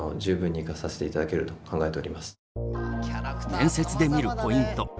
面接で見るポイント。